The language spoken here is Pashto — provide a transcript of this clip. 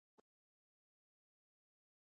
د مالدارۍ څاروی باید په دوامداره توګه صحي وي.